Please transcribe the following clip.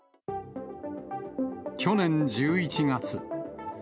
去年１１月。